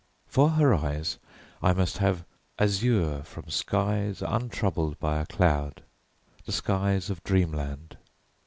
For her eyes, I must have azure from skies untroubled by a cloud the skies of dreamland.